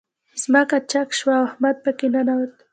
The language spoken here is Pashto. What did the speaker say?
ځمکه چاک شوه، او احمد په کې ننوت.